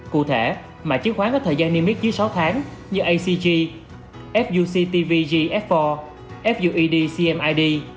cụ thể mạng chứng khoán có thời gian niêm yếp dưới sáu tháng như acg fuc tvg f bốn fued cmid